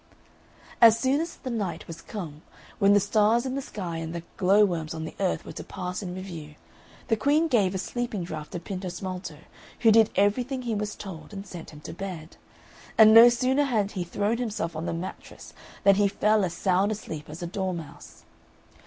As soon as the Night was come, when the stars in the sky and the glowworms on the earth were to pass in review, the Queen gave a sleeping draught to Pintosmalto, who did everything he was told, and sent him to bed. And no sooner had he thrown himself on the mattress than he fell as sound asleep as a dormouse.